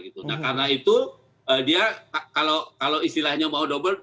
nah karena itu dia kalau istilahnya mau dobel